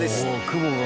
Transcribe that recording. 雲が。